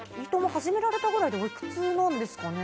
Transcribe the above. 始められたぐらいでおいくつなんですかね。